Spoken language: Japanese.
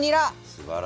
すばらしい。